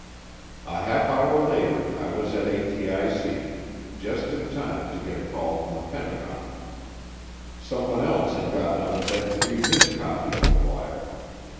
A half hour later I was at ATIC just in time to get a call from the Pentagon. Someone else had gotten out of bed to read his copy of the wire.